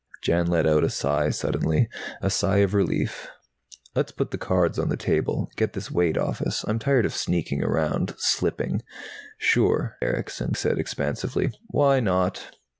Jan let out a sigh suddenly, a sigh of relief. "Let's put the cards on the table, get this weight off us. I'm tired of sneaking around, slipping " "Sure," Erickson said expansively. "Why not?"